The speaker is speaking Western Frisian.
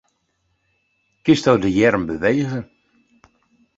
Kinsto de earm bewege?